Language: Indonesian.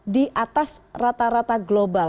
di atas rata rata global